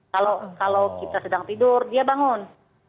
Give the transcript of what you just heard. kalau kita sedang tidur dia bangun